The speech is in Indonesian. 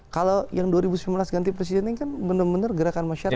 kalau yang dua ribu sembilan belas ganti presiden ini kan benar benar gerakan masyarakat